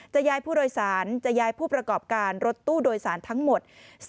ย้ายผู้โดยสารจะย้ายผู้ประกอบการรถตู้โดยสารทั้งหมด